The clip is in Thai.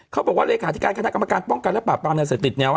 เขาบอกว่าเลขาธิการคณะกรรมการป้องกันและปราบปราบในเศรษฐฤติแนว